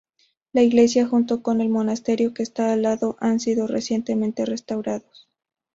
La iglesia, junto con el monasterio que está al lado, han sido recientemente restaurados.